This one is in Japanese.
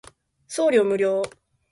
送料無料